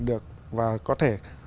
được và có thể